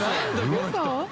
この人。